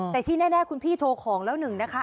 แต่ที่แน่คุณพี่โชว์ของแล้วหนึ่งนะคะ